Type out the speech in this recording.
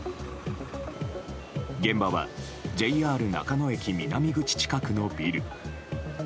現場はＪＲ中野駅南口近くのビル。